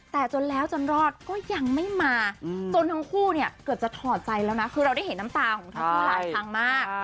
แต่จนแล้วจนรอดก็ยังไม่มาจนทั้งคู่เนี่ยเกือบจะถอดใจแล้วนะคือเราได้เห็นน้ำตาของทั้งคู่หลายครั้งมาก